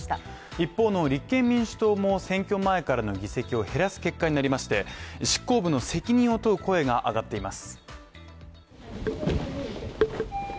一方の立憲民主党も選挙前からの議席を減らす結果になりまして執行部の責任を問う声が上がっています。